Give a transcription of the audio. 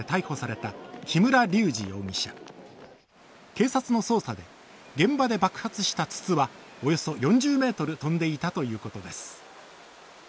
警察の捜査で現場で爆発した筒はおよそ４０ｍ飛んでいたということです。